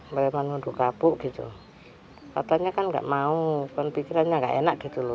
mereman ngunduk kapuk gitu katanya kan nggak mau kan pikirannya nggak enak gitu lu